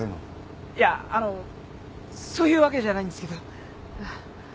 いやあのそういうわけじゃないんですけど。